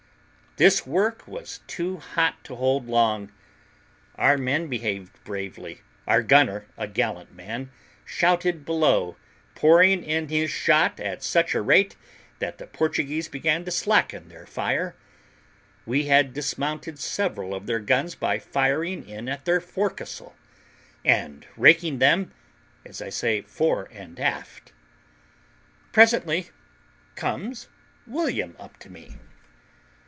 This work was too hot to hold long; our men behaved bravely: our gunner, a gallant man, shouted below, pouring in his shot at such a rate, that the Portuguese began to slacken their fire; we had dismounted several of their guns by firing in at their forecastle, and raking them, as I said, fore and aft. Presently comes William up to me.